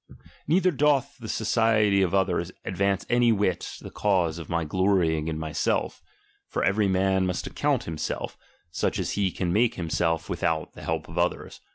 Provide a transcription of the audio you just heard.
Neither doth the society of others advance any whit the cause of My glorying in myself; for every man must ac count himself, such as he can make himself with out the help of others.